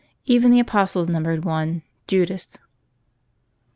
Even the apostles numbered one Judas